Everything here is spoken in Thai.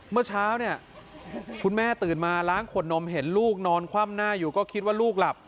เมื่อเช้าเนี่ยคุณแม่ตื่นมาล้างขวดนมเห็นลูกนอนคว่ำหน้าอยู่ก็คิดว่าลูกหลับ